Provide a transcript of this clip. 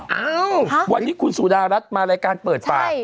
เอ้าวันนี้คุณสุดารัฐมารายการเปิดปาก